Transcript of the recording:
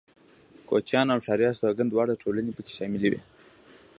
کوچيان او ښاري استوگن دواړه ټولنې پکې شاملې وې.